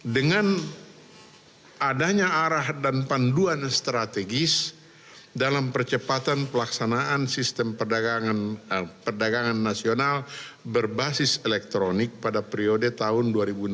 dengan adanya arah dan panduan strategis dalam percepatan pelaksanaan sistem perdagangan nasional berbasis elektronik pada periode tahun dua ribu enam belas